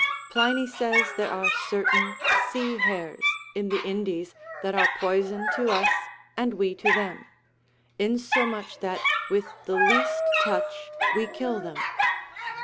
Pliny says there are certain sea hares in the Indies that are poison to us, and we to them; insomuch that, with the least touch, we kill them.